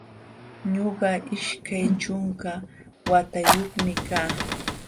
Ñuqa ishkay ćhunka watayuqmi kaa